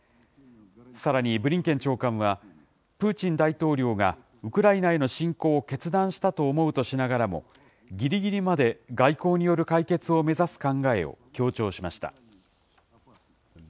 さらにブリンケン長官は、プーチン大統領がウクライナへの侵攻を決断したと思うとしながらも、ぎりぎりまで外交による解決を目指す考えを強調しました。